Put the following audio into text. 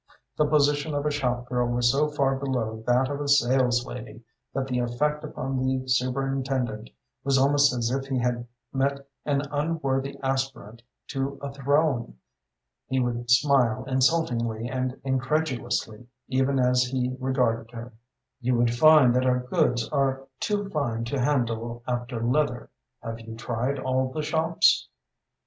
The position of a shop girl was so far below that of a sales lady that the effect upon the superintendent was almost as if he had met an unworthy aspirant to a throne. He would smile insultingly and incredulously, even as he regarded her. "You would find that our goods are too fine to handle after leather. Have you tried all the shops?"